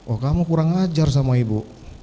oh kamu kurang ajar sama ibu